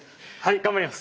頑張ります。